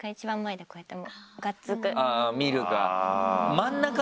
あぁ見るか。